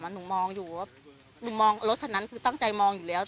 หนูมองรถคันนั้นคือตั้งใจมองอยู่แล้ว